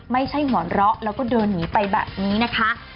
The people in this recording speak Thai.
ไม่ใช่หัวเราะแล้วก็เดินหนีไปแบบนี้นะคะ